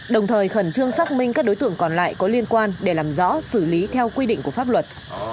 đồng thời khẩn trương xác minh các đối tượng còn lại có liên quan để làm rõ xử lý theo quy định của pháp luật